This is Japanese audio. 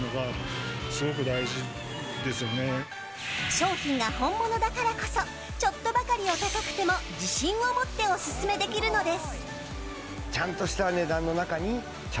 商品が本物だからこそちょっとばかり、お高くても自信を持っておすすめできるのです。